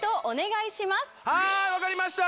お願いします